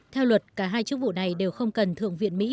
theo luật cả hai chức vụ này đều không cần thượng viện mỹ